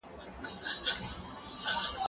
زه به سبا اوبه پاکوم!؟